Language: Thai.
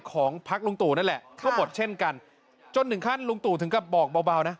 ของพักลุงตู่นั่นแหละก็หมดเช่นกันจนถึงขั้นลุงตู่ถึงกับบอกเบานะ